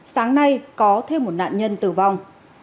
sáng nay có thêm một nạn nhân tử vong